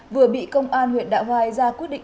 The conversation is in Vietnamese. vừa bị công an huyện đạ hoai ra quyết định